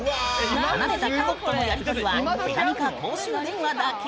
離れた家族とのやり取りは手紙か公衆電話だけ。